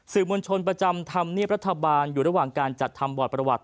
มวลชนประจำธรรมเนียบรัฐบาลอยู่ระหว่างการจัดทำบอร์ดประวัติ